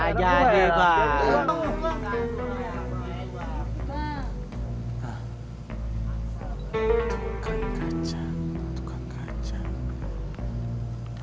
nanti aku akan bawa